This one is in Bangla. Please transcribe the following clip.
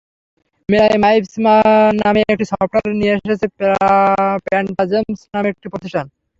মেলায় মাইপজ নামে একটি সফটওয়্যার নিয়ে এসেছে প্যান্টাজেমস নামে একটি প্রতিষ্ঠান।